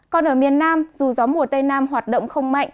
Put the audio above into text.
còn ở miền nam dù gió mùa tây nam hoạt động không mạnh